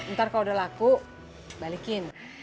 ntar kalau udah laku balikin